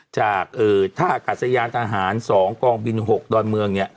จากท่าอากาศยานทหาร๒กองบิน๖ดอนเมืองเนี่ย